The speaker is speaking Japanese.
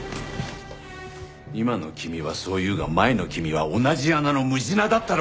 今の君はそう言うが前の君は同じ穴の狢だったろうが。